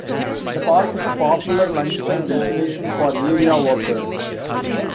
The park is a popular lunchtime destination for area workers.